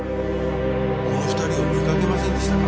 この２人を見かけませんでしたか？